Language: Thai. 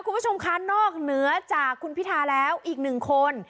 คุณผู้ชมคะนอกเหนือจากคุณพิทาแล้วอีกหนึ่งคน